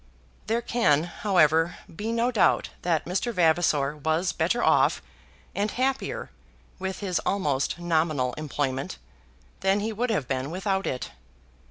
There can, however, be no doubt that Mr. Vavasor was better off and happier with his almost nominal employment than he would have been without it.